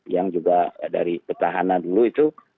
yang juga dari petahana dulu itu